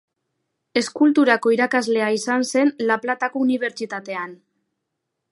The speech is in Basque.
Eskulturako irakaslea izan zen La Platako unibertsitatean.